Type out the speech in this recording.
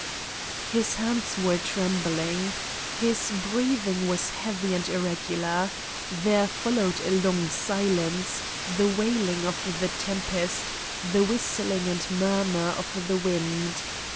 His hands were trembling. His breath ing was heavy and irregular. There followed a long silence, the wailing of the tempest, the whis tling and murmur of the wind.